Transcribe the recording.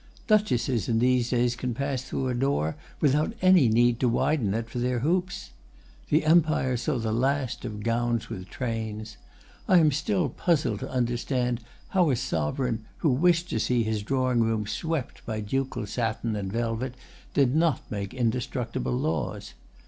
Duchesses in these days can pass through a door without any need to widen it for their hoops. The Empire saw the last of gowns with trains! I am still puzzled to understand how a sovereign who wished to see his drawing room swept by ducal satin and velvet did not make indestructible laws.